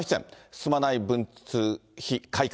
進まない文通費改革。